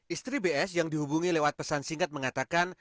istri bs yang dihubungi lewat pesan singkat mengatakan